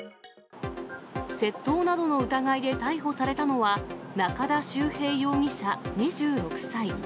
窃盗などの疑いで逮捕されたのは、中田秀平容疑者２６歳。